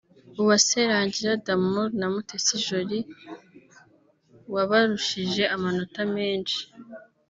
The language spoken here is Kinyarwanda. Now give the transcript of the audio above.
Uwase Rangira D’Amour na Mutesi Jolly wabarushije amanota menshi